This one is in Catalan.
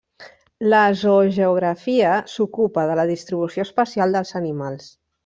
La zoogeografia s'ocupa de la distribució espacial dels animals.